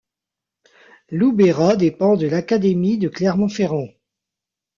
Loubeyrat dépend de l'académie de Clermont-Ferrand.